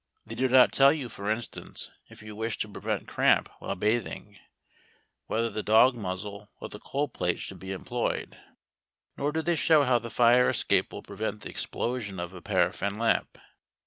They do not tell you, for instance, if you wish to prevent cramp while bathing, whether the dog muzzle or the coal plate should be employed, nor do they show how the fire escape will prevent the explosion of a paraffin lamp.